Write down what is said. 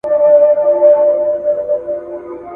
آیا پښتانه په مېړانه وجنګېدل؟